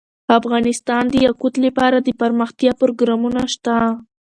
افغانستان کې د یاقوت لپاره دپرمختیا پروګرامونه شته.